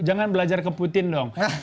jangan belajar ke putin dong